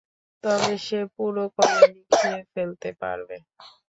তবে সে পুরো কলোনি খেয়ে ফেলতে পারবে।